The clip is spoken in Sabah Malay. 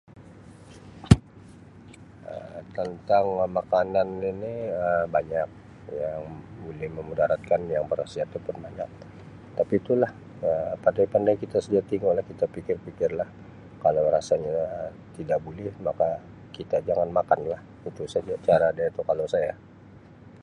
Um Tentang Um makanan ini Um banyak yang boleh memudaratkan, yang berkhasiat tu pun banyak tapi tulah pandai-pandai kita saja tingulah, kita pikir-pikirlah kalau rasanya tidak buleh maka kita jangan makanlah, itu saja cara dia tu kalau saya